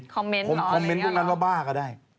คอมเม้นท์หรออย่างนั้นพี่หนูหรอ